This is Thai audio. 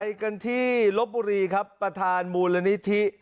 กันที่ลบบุรีครับประธานมูลนิธิ